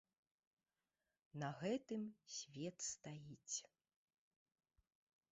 На гэтым свет стаіць.